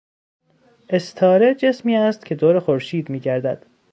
استاره جسمی است که دور خورشید میگردد.